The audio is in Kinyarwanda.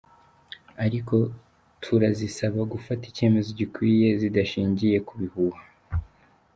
Ariko turazisaba gufata icyemezo gikwiye zidashingiye ku bihuha.